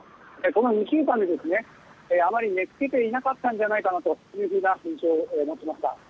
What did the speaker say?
その２週間あまり寝付けていなかったんじゃないかという印象を持ちました。